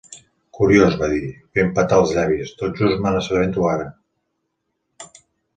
"Curiós", va dir, fent petar els llavis, "Tot just me n'assabento ara.